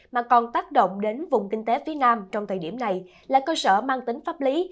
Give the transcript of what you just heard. mà còn tác động đến vùng kinh tế phía nam trong thời điểm này là cơ sở mang tính pháp lý